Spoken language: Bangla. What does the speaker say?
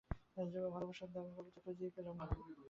ভালোবাসার কবিতা খুঁজেই পেলুম না, আগে সেগুলো পায়ে পায়ে ঠেকত।